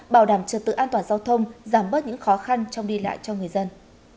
bảo đảm trật tự an toàn giao thông giảm bớt những khó khăn trong đi lại cho người dân